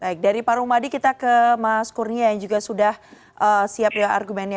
baik dari pak rumadi kita ke mas kurnia yang juga sudah siap ya argumennya